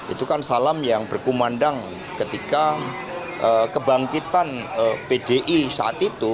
itu kan salam yang berkumandang ketika kebangkitan pdi saat itu